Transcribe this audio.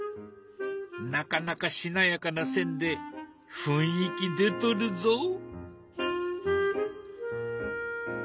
なかなかしなやかな線で雰囲気出とるぞ。